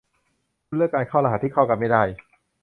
คุณเลือกการเข้ารหัสที่เข้ากันไม่ได้